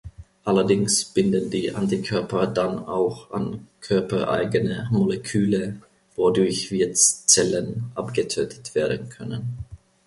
Allerdings binden die Antikörper dann auch an körpereigene Moleküle, wodurch Wirtszellen abgetötet werden können.